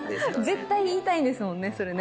絶対に言いたいんですもんね、それね。